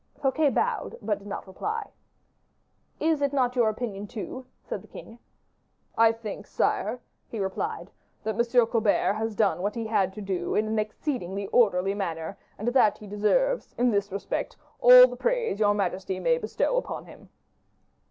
Fouquet bowed, but did not reply. "Is it not your opinion too?" said the king. "I think, sire," he replied, "that M. Colbert has done what he had to do in an exceedingly orderly manner, and that he deserves, in this respect, all the praise your majesty may bestow upon him."